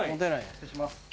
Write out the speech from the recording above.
失礼します。